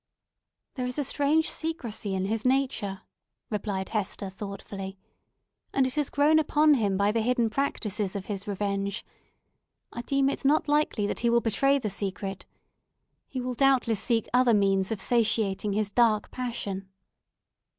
"There is a strange secrecy in his nature," replied Hester, thoughtfully; "and it has grown upon him by the hidden practices of his revenge. I deem it not likely that he will betray the secret. He will doubtless seek other means of satiating his dark passion."